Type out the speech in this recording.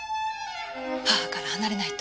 母から離れないと。